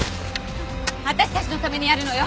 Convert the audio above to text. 私たちのためにやるのよ。